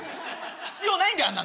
必要ないんだよあんなの。